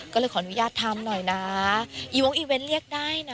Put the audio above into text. ก็เลยขออนุญาตทำหน่อยนะย้วงอีเวนต์เรียกได้นะ